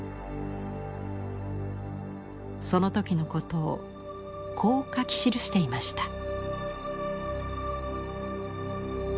その時のことをこう書き記していました。